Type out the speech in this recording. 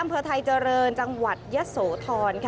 อำเภอไทยเจริญจังหวัดยะโสธร